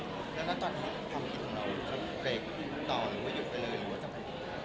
แล้วก็ตอนนี้ความผิดของเราจะเบรกต่อหรือว่าหยุดไปเลยหรือว่าจะไปไหน